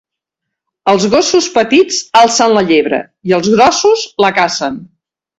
Els gossos petits alcen la llebre i els grossos la cacen.